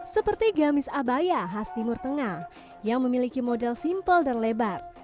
seperti gamis abaya khas timur tengah yang memiliki model simpel dan lebar